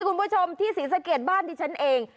คุณผู้ชมที่ศรีสะเกดบ้านที่ฉันเอง